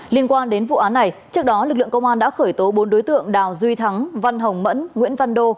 liên quan đến vụ án này trước đó lực lượng công an đã khởi tố bốn đối tượng đào duy thắng văn hồng mẫn nguyễn văn đô